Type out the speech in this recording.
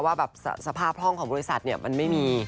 ว่าแบบสภาพห้องของบริษัทมันไม่มี